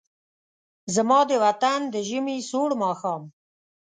زما د وطن د ژمې سوړ ماښام